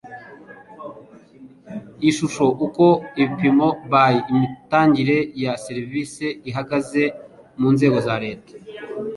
ishusho uko ibipimo by imitangire ya serivisi bihagaze mu nzego za leta